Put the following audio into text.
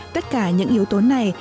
tất cả những yếu tố này